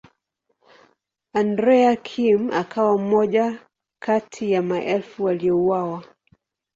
Andrea Kim akawa mmoja kati ya maelfu waliouawa.